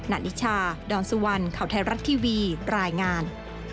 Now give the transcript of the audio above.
นานิชาดอนสุวรรณข่าวไทยรัฐทีวีรายงาน